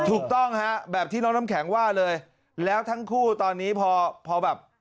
ถูกต้องฮะแบบที่น้องน้ำแข็งว่าเลยแล้วทั้งคู่ตอนนี้พอพอแบบ